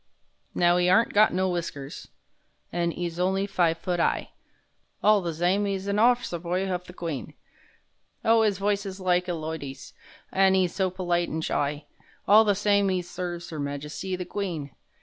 _ Now 'e aren't got no whiskers An' 'e's only five foot 'igh, (All the same 'e is a' orf'cer hof the Queen!) Oh, 'is voice is like a loidy's An' 'e's so polite an' shy! (All the same 'e serves 'Er Majesty the Queen!)